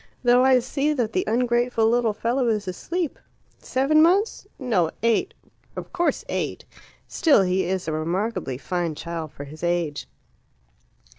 Though I see that the ungrateful little fellow is asleep! Seven months? No, eight; of course eight. Still, he is a remarkably fine child for his age."